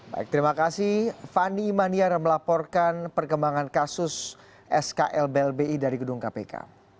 baik terima kasih fani imaniar melaporkan perkembangan kasus skl blbi dari gedung kpk